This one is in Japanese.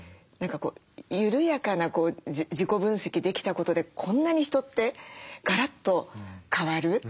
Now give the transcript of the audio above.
何かこう緩やかな自己分析できたことでこんなに人ってガラッと変わる。